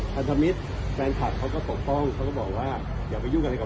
พันธมิตรแฟนคลับเขาก็ปกป้องเขาก็บอกว่าอย่าไปยุ่งอะไรกับ